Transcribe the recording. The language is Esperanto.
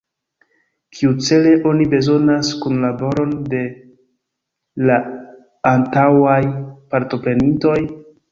Kiucele oni bezonas kunlaboron de la antaŭaj partoprenintoj?